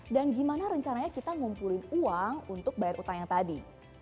dan gimana rencananya kita ngumpulin uang untuk bayar utang yang tadi